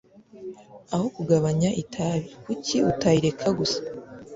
Aho kugabanya itabi, kuki utayireka gusa?